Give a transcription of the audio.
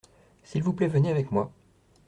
S’il vous plait venez avec moi.